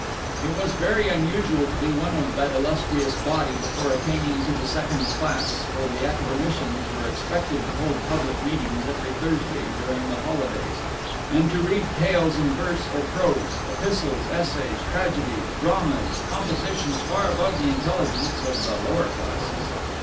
It was very unusual to be one of that illustrious body before attaining to the second class, for the Academicians were expected to hold public meetings every Thursday during the holidays, and to read tales in verse or prose, epistles, essays, tragedies, dramas compositions far above the intelligence of the lower classes.